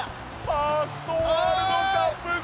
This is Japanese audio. ファーストワールドカップゴール！